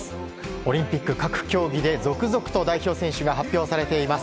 オリンピック各競技で続々と代表選手が発表されています。